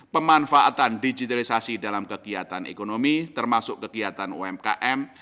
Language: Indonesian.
pemanfaatan digitalisasi dalam kegiatan ekonomi termasuk kegiatan umkm